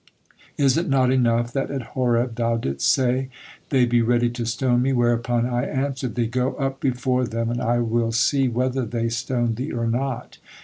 Is it not enough that at Horeb thou didst say, 'They be ready to stone me,' whereupon I answered thee, 'Go up before them and I will see whether they stone thee or not!'